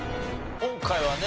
今回はね